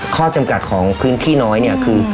ข้อจำกัดของพื้นที่น้อยเนี่ยคือ